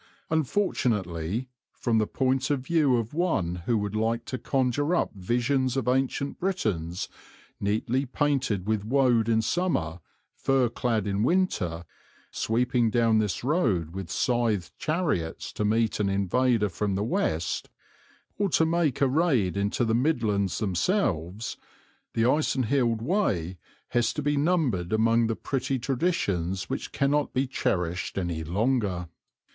Unfortunately, from the point of view of one who would like to conjure up visions of ancient Britons, neatly painted with woad in summer, fur clad in winter, sweeping down this road with scythe chariots to meet an invader from the west, or to make a raid into the Midlands themselves, the Icenhilde Way has to be numbered among the pretty traditions which cannot be cherished any longer.